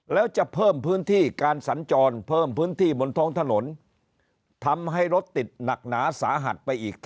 แล้วจะเพิ่มพื้นที่การสันจรเพิ่มพื้นที่บนท้องถนนทำให้รถ